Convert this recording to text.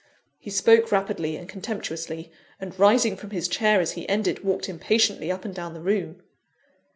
He spoke rapidly and contemptuously, and rising from his chair as he ended, walked impatiently up and down the room.